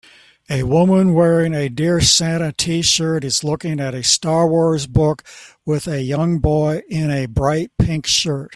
A woman wearing a Dear Santa tshirt is looking at a Star Wars book with a young boy in a bright pink shirt